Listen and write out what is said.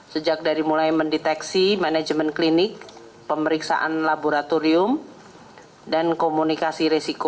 sejak dari mulai mendeteksi manajemen klinik pemeriksaan laboratorium dan komunikasi risiko